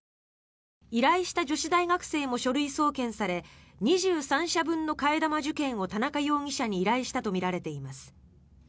依頼した女子大学生も書類送検され２３社分の替え玉受験を田中容疑者に依頼したとみられています。